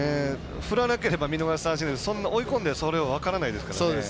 振らなければ見逃し三振で追い込んでそれは分からないですからね。